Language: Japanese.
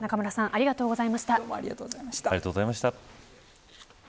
中村さんありがとうございました。